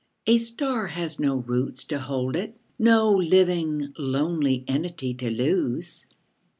A star has do roots to hold it, No living lonely entity to lose.